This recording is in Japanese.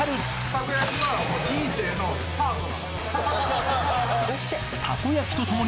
たこ焼きは人生のパートナーです。